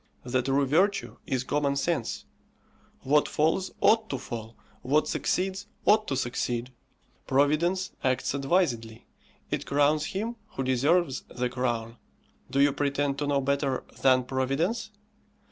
The true virtue is common sense what falls ought to fall, what succeeds ought to succeed. Providence acts advisedly, it crowns him who deserves the crown; do you pretend to know better than Providence?